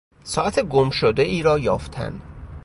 ساعت گمشدهای را یافتن